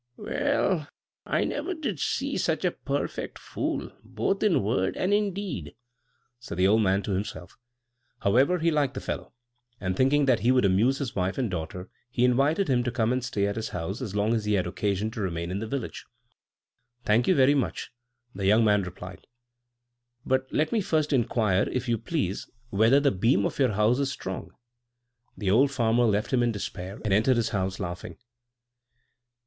"Well! I never did see such a perfect fool, both in word and in deed," said the old man to himself. However, he liked the fellow; and thinking that he would amuse his wife and daughter, he invited him to come and stay at his house as long as he had occasion to remain in the village. "Thank you very much," the young man replied; "but let me first inquire, if you please, whether the beam of your house is strong." The old farmer left him in despair, and entered his house laughing.